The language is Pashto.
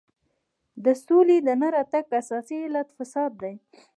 د سولې د نه راتګ اساسي علت فساد دی.